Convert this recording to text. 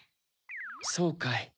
そうかい。